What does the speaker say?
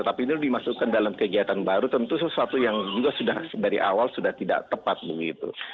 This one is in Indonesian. tapi ini dimasukkan dalam kegiatan baru tentu sesuatu yang juga sudah dari awal sudah tidak tepat begitu